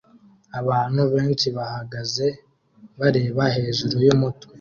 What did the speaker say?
Abantu benshi bahagaze bareba hejuru yumutwe